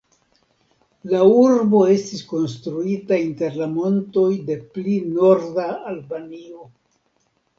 La urbo estis konstruita inter la montoj de pli norda Albanio.